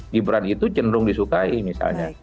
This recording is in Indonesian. gibran itu cenderung disukai misalnya